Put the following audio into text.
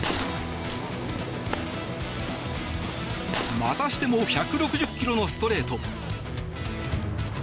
またしても１６０キロのストレート。